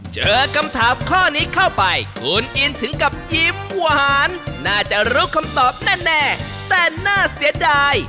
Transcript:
เจอคำถามข้อนี้เข้าไปคุณอินถึงกับยิ้มหวานน่าจะรู้คำตอบแน่แต่น่าเสียดาย